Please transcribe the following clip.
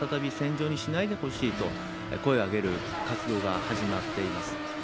宝の会と、沖縄を再び戦場にしないでほしいと声を上げる活動が始まっています。